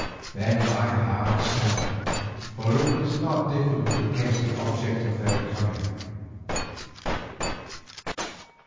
Then my heart sank, for it was not difficult to guess the object of their coming.